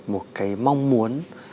một cái mong muốn